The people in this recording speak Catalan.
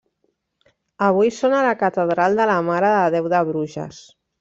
Avui són a la catedral de la Mare de Déu de Bruges.